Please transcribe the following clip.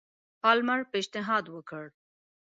پالمر پېشنهاد وکړ.